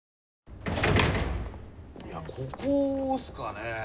いやここっすかね？